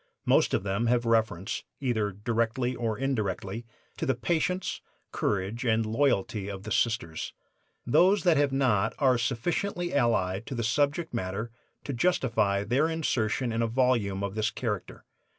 Most of them have reference, either directly or indirectly, to the patience, courage and loyalty of the Sisters. Those that have not are sufficiently allied to the subject matter to justify their insertion in a volume of this character.